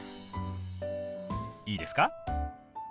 いいですか？